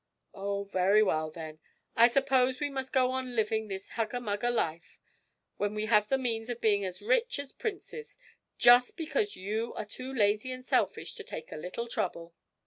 'Oh, very well, then; I suppose we must go on living this hugger mugger life when we have the means of being as rich as princes, just because you are too lazy and selfish to take a little trouble!'